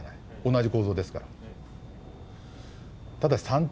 同じ構造ですから。